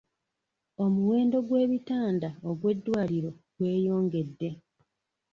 Omuwendo gw'ebitanda ogw'eddwaliro gweyongedde.